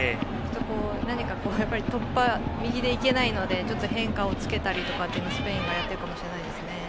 何か突破、右で行けないのでちょっと変化をつけたりとスペインはやっているかもしれないですね。